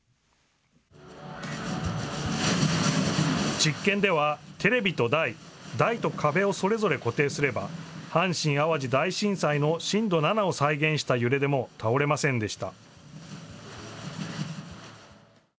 実験ではテレビと台、台と壁をそれぞれ固定すれば阪神・淡路大震災の震度７を再現した揺れでも倒れませんでした。